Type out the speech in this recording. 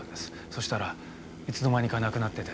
そしたらいつの間にかなくなってて。